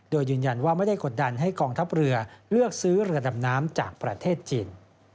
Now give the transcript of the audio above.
โดยยืนยันว่าไม่ได้กดดันให้กองทัพเรือเลือกซื้อเรือดำน้ำจากประเทศจีน